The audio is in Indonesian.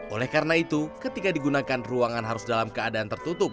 oleh karena itu ketika digunakan ruangan harus dalam keadaan tertutup